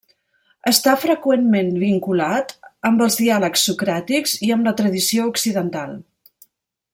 Està freqüentment vinculat amb els diàlegs socràtics i amb la tradició occidental.